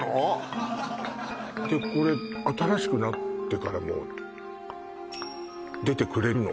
これ新しくなってからも出てくれるの？